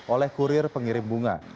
oleh kurir pengirim bunga